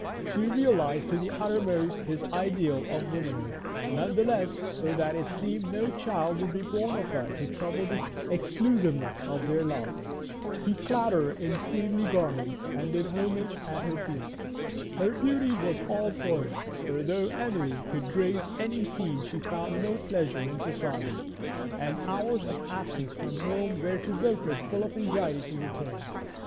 She realised to the uttermost his ideal of womanhood, none the less so that it seemed no child would be born of her to trouble the exclusiveness of their love. He clad her in queenly garments and did homage at her feet. Her beauty was all for him, for though Emily could grace any scene she found no pleasure in society, and the hours of absence from home were to Wilfrid full of anxiety to return.